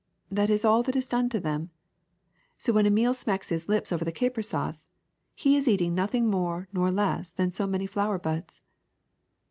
That is all that is done to them. So when Emile smacks his lips over the caper sauce, he is eating nothing more nor less than so many flower buds.'